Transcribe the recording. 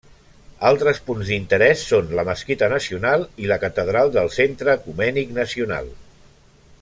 Altres punts d'interès són la Mesquita Nacional i la catedral del Centre Ecumènic Nacional.